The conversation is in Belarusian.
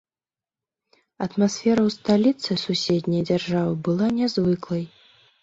Атмасфера ў сталіцы суседняй дзяржавы была нязвыклай.